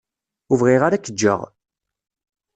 Ur bɣiɣ ara ad k-ǧǧeɣ.